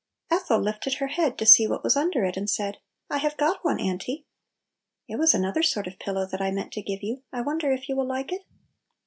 Ethel lifted her head to see what was under it, and said, "I haze got one, Auntie !" "It was another sort of pillow that I meant to give you; I wonder if you will like it?"